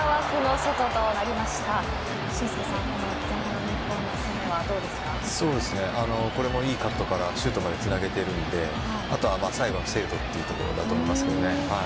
そうですねこれもいいカットからシュートにつなげているので後はパスラインの精度だというところだと思います。